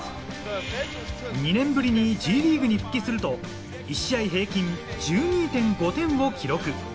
２年ぶりにＧリーグに復帰すると１試合平均１２．５点を記録。